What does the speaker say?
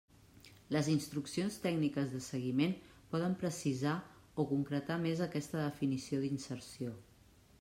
Les instruccions tècniques de seguiment poden precisar o concretar més aquesta definició d'inserció.